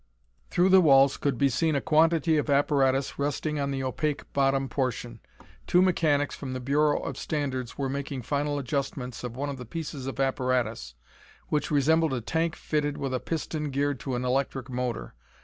Through the walls could be seen a quantity of apparatus resting on the opaque bottom portion. Two mechanics from the Bureau of Standards were making final adjustments of one of the pieces of apparatus, which resembled a tank fitted with a piston geared to an electric motor.